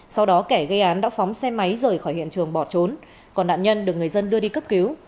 sau đó kẻ gây án đã phóng xe máy rời khỏi hiện trường bỏ trốn còn nạn nhân được người dân đưa đi cấp cứu